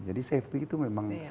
jadi safety itu memang